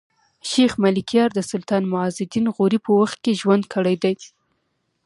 شېخ ملکیار د سلطان معز الدین غوري په وخت کښي ژوند کړی دﺉ.